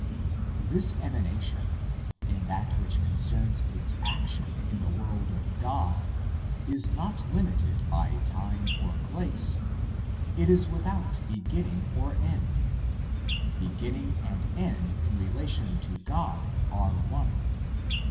This emanation, in that which concerns its action in the world of God, is not limited by time or place ; it is without beginning or end ; beginning and end in relation to God are one.